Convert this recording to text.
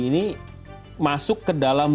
ini masuk ke dalam